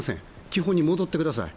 基本に戻ってください。